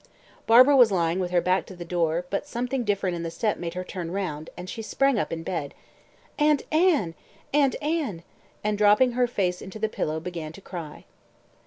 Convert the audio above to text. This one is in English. Barbara was lying with her back to the door, but something different in the step made her turn round, and she sprang up in bed. "Aunt Anne! Aunt Anne!" and dropping her face into the pillow began to cry.